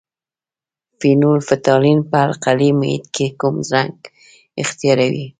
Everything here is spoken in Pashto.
فینول فتالین په القلي محیط کې کوم رنګ اختیاروي؟